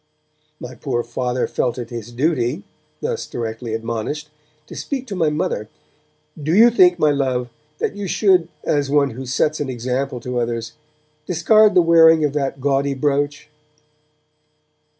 My poor Father felt it his duty, thus directly admonished, to speak to my mother. 'Do you not think, my Love, that you should, as one who sets an example to others, discard the wearing of that gaudy brooch?'